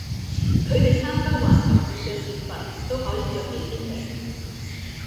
佢哋參加環球小姐選拔都可以着比基尼